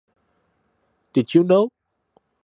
Did You Know?